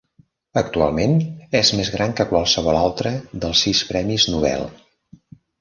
Actualment és més gran que qualsevol altre dels sis Premis Nobel.